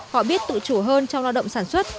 họ biết tự chủ hơn trong lao động sản xuất